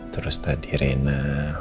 terus tadi rena